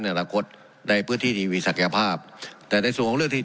อนาคตในพื้นที่ที่มีศักยภาพแต่ในส่วนของเรื่องที่